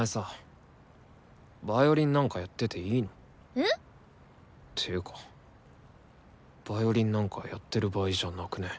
えっ？ていうかヴァイオリンなんかやってる場合じゃなくね？